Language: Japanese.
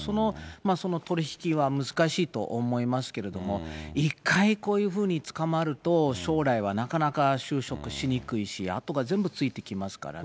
その取り引きは難しいと思いますけれども、１回こういうふうに捕まると、将来はなかなか就職しにくいし、あとが全部ついてきますからね。